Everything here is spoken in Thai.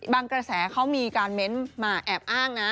กระแสเขามีการเม้นต์มาแอบอ้างนะ